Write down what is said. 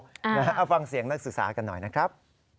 เอาฟังเสียงนักศึกษากันหน่อยนะครับ